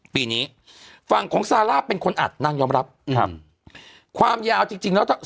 ปีนี้ฝั่งของซาร่าเป็นคนอัดนางยอมรับครับความยาวจริงจริงแล้วถ้า